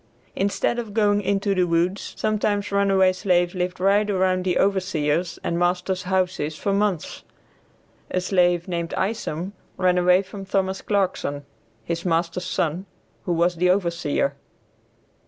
Instead of going into the woods, sometimes runaway slaves lived right around the overseer's and master's houses for months. A slave, named Isom, ran away from Thomas Clarkson, his master's son, who was the overseer.